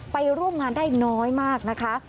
ไปร่วมงานได้น้อยมากนะคะ